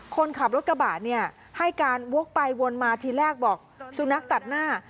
คนขับรถกระบาดให้การโว๊กไปวนมาทีแรกบอกสูงนักตัดหน้า